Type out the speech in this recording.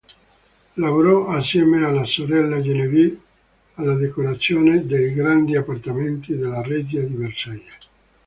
Lavorò, assieme alla sorella Geneviève, alla decorazione dei Grandi appartamenti della Reggia di Versailles.